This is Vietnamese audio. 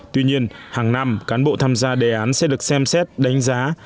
tuy nhiên hàng năm cán bộ tham gia đề án sẽ được xem xét đánh giá